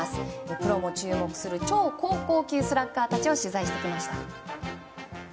プロも注目する超高校級スラッガーたちを取材してきました。